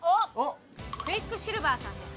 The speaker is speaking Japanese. クイックシルバーさんです。